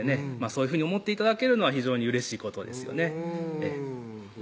そういうふうに思って頂けるのは非常にうれしいことですよね